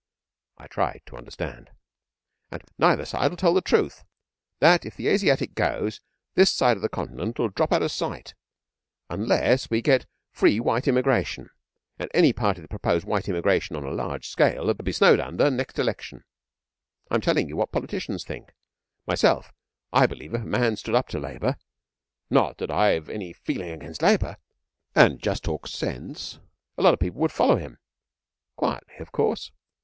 I tried to understand. 'And neither side'll tell the truth that if the Asiatic goes, this side of the Continent'll drop out of sight, unless we get free white immigration. And any party that proposed white immigration on a large scale 'ud be snowed under next election. I'm telling you what politicians think. Myself, I believe if a man stood up to Labour not that I've any feeling against Labour and just talked sense, a lot of people would follow him quietly, of course.